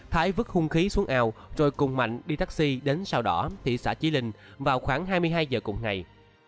thái vứt hung khí xuống eo rồi cùng mạnh đi taxi đến sao đỏ thị xã chí linh vào khoảng hai mươi hai giờ cùng ngày